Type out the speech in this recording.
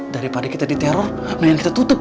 daripada kita diteror main kita tutup